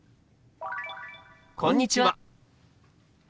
「こんにちは」。